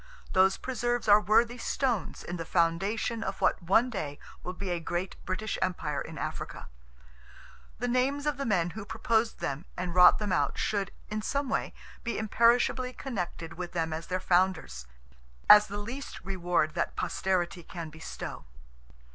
Those preserves are worthy stones in the foundation of what one day will be a great British empire in Africa. The names of the men who proposed them and wrought them out should, in some way, be imperishably connected with them as their founders, as the least reward that Posterity can bestow.